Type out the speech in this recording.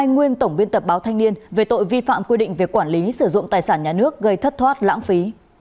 hai nguyên tổng biên tập báo thanh niên về tội vi phạm quy định về quản lý sử dụng tài sản nhà nước gây thất thoát lãng phí